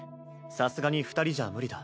さすがに２人じゃ無理だ。